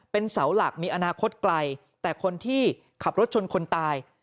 เป็นเสาหลักมีอนาคตไกลแต่คนที่ขับรถชนคนตาย